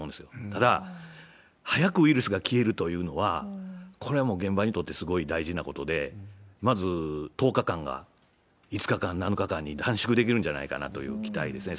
ただ、早くウイルスが消えるというのは、これはもう現場にとってはすごい大事なことで、まず１０日間が、５日間、７日間に短縮できるんじゃないかという期待ですね。